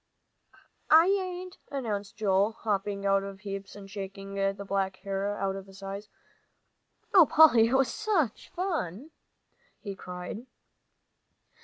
"I ain't," announced Joel, hopping out of the heaps and shaking the black hair out of his eyes. "Oh, Polly, it was such fun!" he cried.